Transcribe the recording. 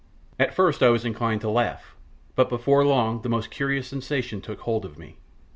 At first I was inclined to laugh, but before long the most curious sensations took hold of me.